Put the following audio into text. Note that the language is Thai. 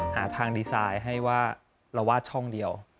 หาทางดีไซน์ให้ว่าเราวาดช่องเดียว